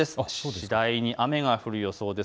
次第に雨が降る予想です。